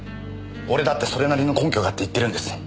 俺だってそれなりの根拠があって言ってるんです。